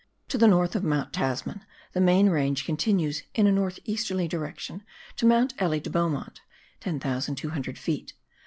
To the north of Mount Tasman the main range continues in a north easterly direction to Mount Elie de Beaumont (10,200 ft.)